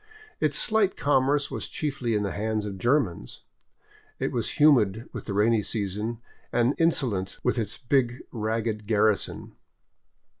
Its slight commerce was chiefly in the hands of Germans. It was humid with the rainy season, and insolent with its big ragged garrison.